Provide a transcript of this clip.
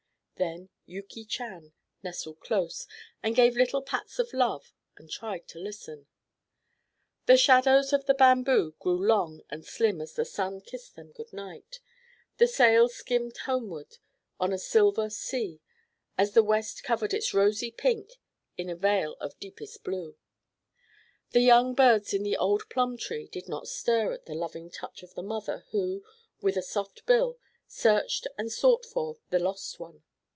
Then Yuki Chan nestled close, and gave little pats of love and tried to listen. THE shadows of the bamboo grew long and slim as the sun kissed them good night. The sails skimmed homeward on a silver sea as the west covered its rosy pink in a veil of deepest blue. The young birds in the old plum tree did not stir at the loving touch of the mother who, with a soft bill, searched and sought for the lost one.